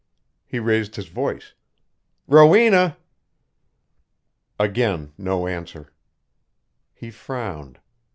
He raised his voice. "Rowena!" Again, no answer. He frowned.